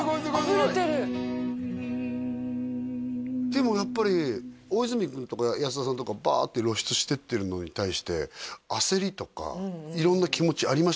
あふれてるでもやっぱり大泉君とか安田さんとかバーッて露出していってるのに対して焦りとか色んな気持ちありました？